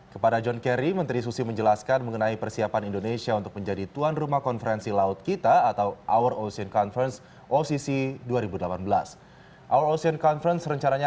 kepada john kerry menteri susi menjelaskan mengenai persiapan indonesia untuk menjadi tuan rumah konferensi laut kita atau our ocean conference occ dua ribu delapan belas